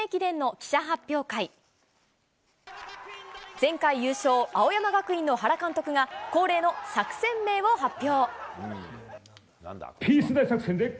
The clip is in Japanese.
前回優勝、青山学院の原監督が、恒例の作戦名を発表。